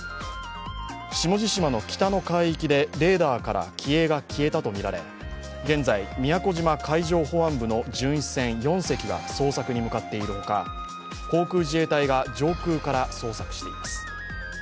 下地島の北の海域でレーダーから機影が消えたとみられ現在、宮古島海上保安部の巡視船４隻が捜索に向かっているほか航空自衛隊が上空から捜索しています。